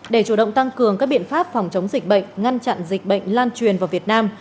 để chủ động tăng cường các biện pháp phòng chống dịch bệnh ngăn chặn dịch bệnh lan truyền vào việt nam